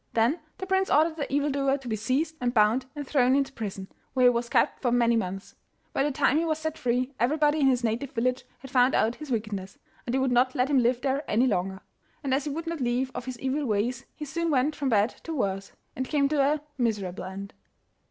Then the prince ordered the evil doer to be seized and bound and thrown into prison, where he was kept for many months. By the time he was set free everybody in his native village had found out his wickedness, and they would not let him live there any longer; and as he would not leave off his evil ways he soon went from bad to worse, and came to a miserable end.